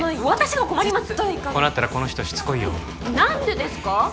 こうなったらこの人しつこいよ何でですか！？